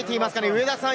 上田さん。